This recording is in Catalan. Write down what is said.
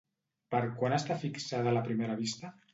Per quan està fixada la primera vista?